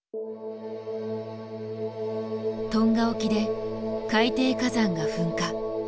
トンガ沖で海底火山が噴火。